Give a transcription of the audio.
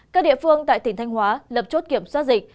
các địa phương tại tỉnh thanh hóa lập chốt kiểm soát dịch